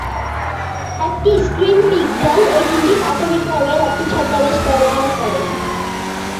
একটি screen pixel এই তিনটি প্রাথমিক রঙের একটি ছদ্মবেশ ব্যবহার করে।